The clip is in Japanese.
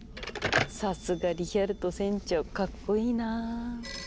さすがリヒャルト船長かっこいいな。